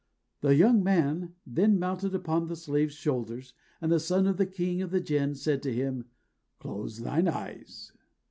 The young man then mounted upon the slave's shoulders, and the son of the king of the Jinn said to him, "Close thine eyes."